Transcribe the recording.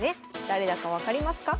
誰だか分かりますか？